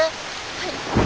はい。